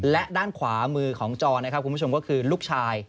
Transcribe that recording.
และด้านขวามือของจอนะครับคุณผู้ชมก็คือลูกชาย